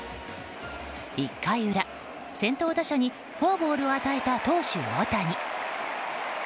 １回裏、先頭打者にフォアボールを与えた投手・大谷。